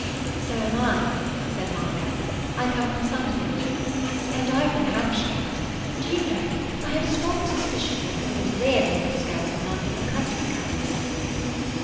"So am I," said Monica. "I come from Somerset." "And I from Hampshire. Do you know, I have a strong suspicion that all the really nice girls in London are country girls."